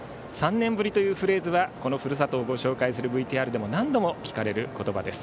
３年ぶりというフレーズはこのふるさとをご紹介するＶＴＲでも何度も聞かれる言葉です。